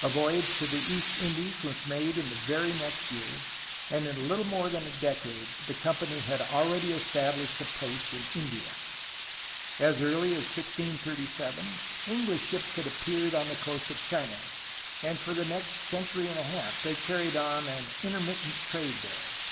A voyage to the East Indies was made in the very next year, and in little more than a decade the company had already established a post in RUSSIAN AND ENGLISH AGGRESSIONS 261 India. As early as 1637 English ships had appeared on the coast of China, and for the next century and a half they car ried on an intermittent trade there.